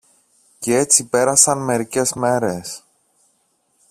Κι έτσι πέρασαν μερικές μέρες.